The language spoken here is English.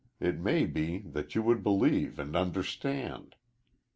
it may be that you would believe and understand."